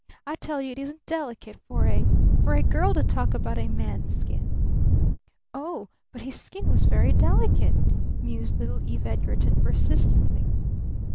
I tell you it isn't delicate for a for a girl to talk about a man's skin!" "Oh but his skin was very delicate," mused little Eve Edgarton persistently.